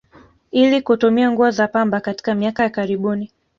Ili kutumia nguo za pamba katika miaka ya karibuni